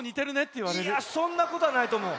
いやそんなことはないとおもう。